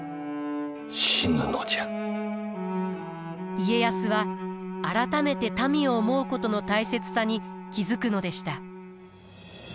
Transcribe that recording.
家康は改めて民を思うことの大切さに気付くのでした。